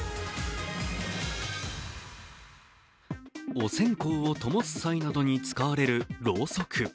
お線香をともす際などに使われる、ろうそく。